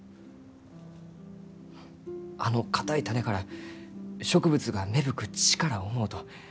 あの硬い種から植物が芽吹く力を思うと胸が熱うなります。